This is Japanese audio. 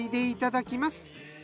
いただきます。